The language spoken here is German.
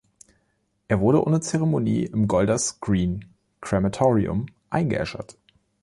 Er wurde ohne Zeremonie im Golders Green Crematorium eingeäschert.